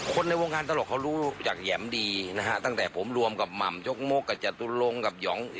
คนในวงการตลกเขารู้จักแหยมดีนะฮะตั้งแต่ผมรวมกับหม่ำยกมกกับจตุลงกับหยอง